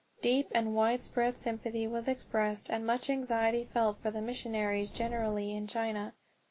Deep and widespread sympathy was expressed and much anxiety felt for missionaries generally in China.